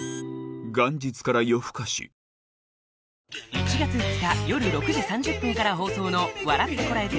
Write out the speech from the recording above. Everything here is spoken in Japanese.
１月２日夜６時３０分から放送の『笑ってコラえて！